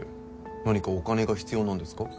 何かお金が必要なんですか？